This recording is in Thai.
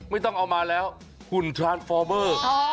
ไม่ต้องเอามาแล้วหุ่นทรานฟอร์เมอร์